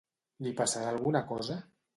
Li passarà alguna cosa?